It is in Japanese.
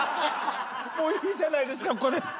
もういいじゃないですかここで。